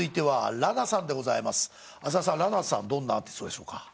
ＬＡＮＡさんどんなアーティストでしょうか？